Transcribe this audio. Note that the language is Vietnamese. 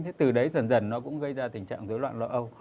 thì từ đấy dần dần nó cũng gây ra tình trạng dối loạn lo âu